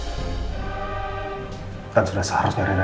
bukan sudah seharusnya rena